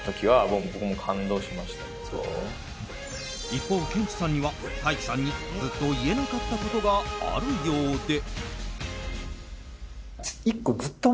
一方、ケンチさんには大樹さんにずっと言えなかったことがあるようで。